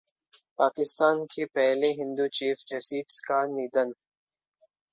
पाकिस्तान के पहले Hindu chief justice का निधन